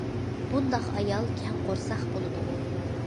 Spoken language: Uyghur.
بۇنداق ئايال كەڭ قورساق بولىدۇ.